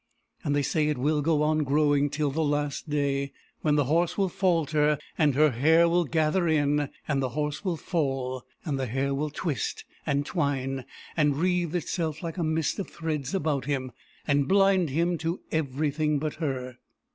And they say it will go on growing till the Last Day, when the horse will falter and her hair will gather in; and the horse will fall, and the hair will twist, and twine, and wreathe itself like a mist of threads about him, and blind him to everything but her.